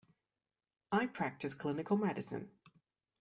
I practice clinical medicine.